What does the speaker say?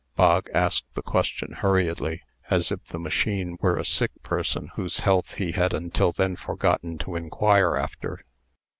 Bog asked the question hurriedly, as if the machine were a sick person, whose health he had until then forgotten to inquire after.